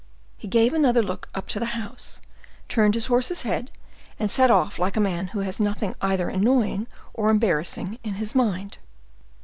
He gave another look up to the house, turned his horse's head, and set off like a man who has nothing either annoying or embarrassing in his mind.